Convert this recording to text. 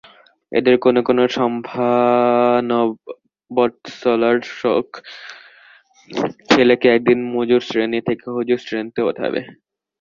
এদের কোনো কোনো সন্তানবৎসলার শখ, ছেলেকে একদিন মজুরশ্রেণী থেকে হুজুরশ্রেণীতে ওঠাবে।